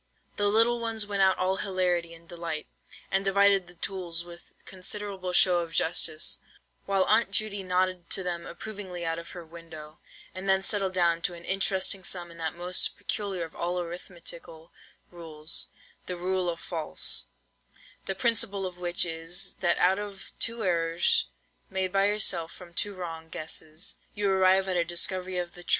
The little ones went out all hilarity and delight, and divided the tools with considerable show of justice, while Aunt Judy nodded to them approvingly out of her window, and then settled down to an interesting sum in that most peculiar of all arithmetical rules, "The Rule of False," the principle of which is, that out of two errors, made by yourself from two wrong guesses, you arrive at a discovery of the truth!